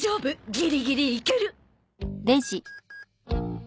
ギリギリいける。